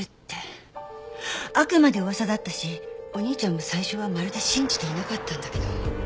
あくまで噂だったしお兄ちゃんも最初はまるで信じていなかったんだけど。